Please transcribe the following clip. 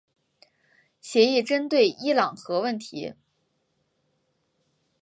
协议针对伊朗核问题。